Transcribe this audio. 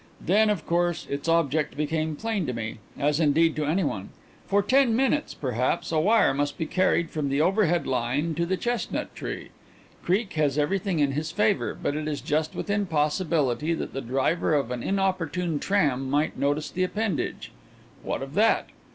"Then, of course, its object became plain to me as indeed to anyone. For ten minutes, perhaps, a wire must be carried from the overhead line to the chestnut tree. Creake has everything in his favour, but it is just within possibility that the driver of an inopportune tram might notice the appendage. What of that?